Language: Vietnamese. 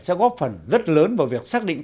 sẽ góp phần rất lớn vào việc xác định